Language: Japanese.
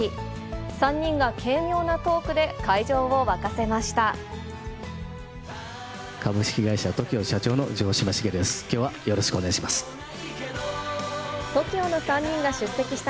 ３人が軽妙なトークで会場を沸かせました。